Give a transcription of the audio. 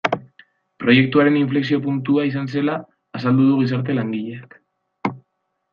Proiektuaren inflexio puntua izan zela azaldu du gizarte langileak.